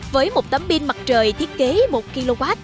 với một tấm pin mặt trời thiết kế một kw